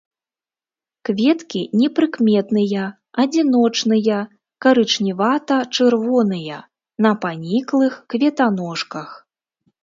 Кветкі непрыкметныя, адзіночныя, карычневата-чырвоныя, на паніклых кветаножках.